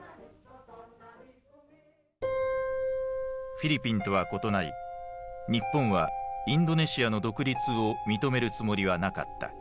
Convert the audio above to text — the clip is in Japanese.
フィリピンとは異なり日本はインドネシアの独立を認めるつもりはなかった。